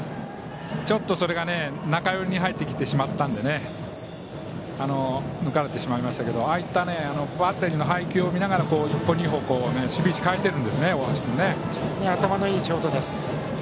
それが中寄りに入ってきてしまったので打たれてしまいましたけどああいったバッテリーの配球を見ながら１歩、２歩と守備位置を頭のいいショートです。